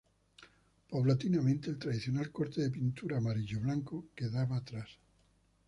Paulatinamente, el tradicional corte de pintura amarillo-blanco, quedaba atrás.